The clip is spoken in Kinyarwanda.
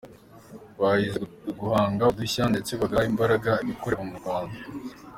Bahize guhanga udushya, ndetse bagaha imbaraga ibikorerwa mu Rwanda